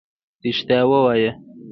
رښتيا ووايه.